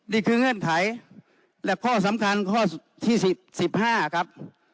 เงื่อนไขและข้อสำคัญข้อที่๑๕ครับ